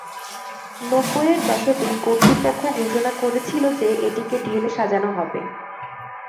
নব্বইয়ের দশকে কর্তৃপক্ষ ঘোষণা করেছিল যে এটিকে ঢেলে সাজানো হবে।